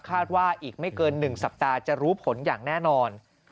ว่าอีกไม่เกิน๑สัปดาห์จะรู้ผลอย่างแน่นอน